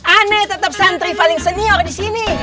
ane tetap santri paling senior disini